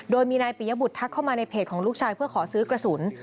โดยมีนายปิยบุตรทักเข้ามาในเพจของลูกชายเพื่อขอซื้อกระสุน